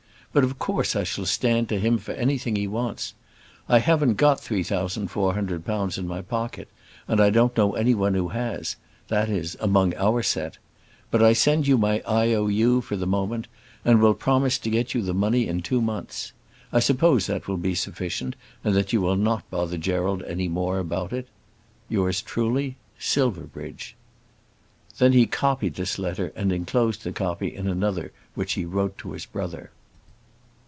But of course I shall stand to him for anything he wants. I haven't got £3,400 in my pocket, and I don't know any one who has; that is among our set. But I send you my I.O.U. for the amount, and will promise to get you the money in two months. I suppose that will be sufficient, and that you will not bother Gerald any more about it. Yours truly, SILVERBRIDGE. Then he copied this letter and enclosed the copy in another which he wrote to his brother.